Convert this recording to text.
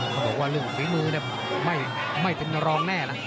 เขาบอกว่าเรื่องฝีมือไม่เป็นรองแน่นะ